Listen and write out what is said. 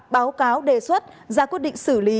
báo cáo đề xuất ra quyết định xử lý